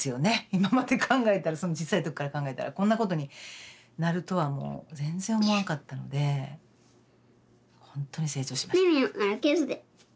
今まで考えたら小さい時から考えたらこんなことになるとはもう全然思わんかったのでほんとに成長しました。